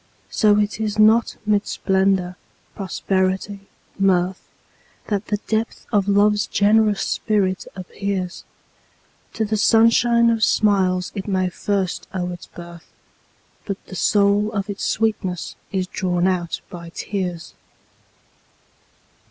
So it is not mid splendor, prosperity, mirth, That the depth of Love's generous spirit appears; To the sunshine of smiles it may first owe its birth, But the soul of its sweetness is drawn out by tears.